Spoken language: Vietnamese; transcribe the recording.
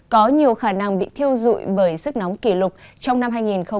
có nhiều khả năng bị thiêu dụi bởi sức nóng kỷ lục trong năm hai nghìn hai mươi bốn